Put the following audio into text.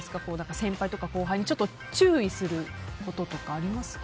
先輩とか後輩に注意することとかありますか？